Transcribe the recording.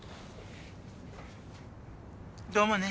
どうもね。